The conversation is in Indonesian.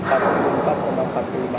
oh ini sesuai target ya